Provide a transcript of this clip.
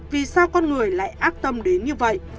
vì sao con người lại an tâm đến như vậy